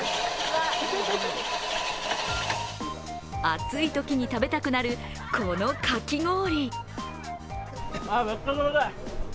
暑いときに食べたくなる、このかき氷。